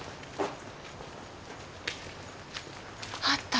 あった。